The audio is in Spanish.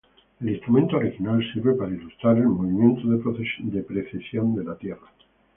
El instrumento original sirve para ilustrar el movimiento de precesión de la Tierra.